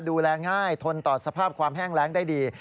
ดูแลง่ายทนต่อสภาพความแห้งแรงได้ดี